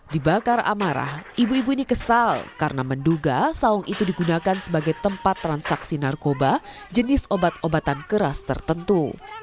dibakar amarah ibu ibu ini kesal karena menduga saung itu digunakan sebagai tempat transaksi narkoba jenis obat obatan keras tertentu